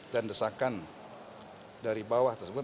dan desakan dari bawah tersebut